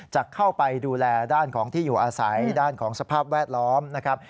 จะเข้าไปดูแลด้านของที่อยู่อาศัยด้านของสภาพแวดล้อมนะครับ